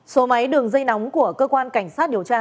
số máy đường dây nóng của cơ quan cảnh sát điều tra